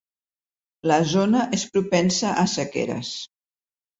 La zona és propensa a sequeres.